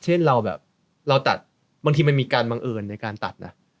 เช่นเราแบบเราตัดบางทีมันมีการบังเอิญในการตัดนะ